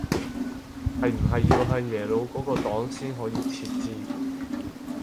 係唔係要向耶魯嗰個檔先可以設置